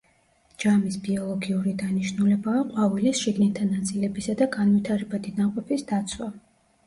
ჯამის ბიოლოგიური დანიშნულებაა ყვავილის შიგნითა ნაწილებისა და განვითარებადი ნაყოფის დაცვა.